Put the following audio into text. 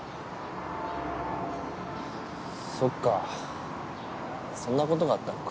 そっかそんなことがあったのか。